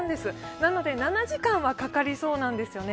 なので７時間はかかりそうなんですよね。